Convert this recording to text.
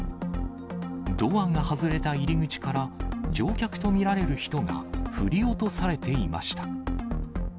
ドアが外れた入り口から、乗客と見られる人が振り落とされていました。